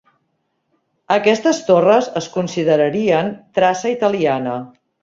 Aquestes torres es considerarien traça italiana.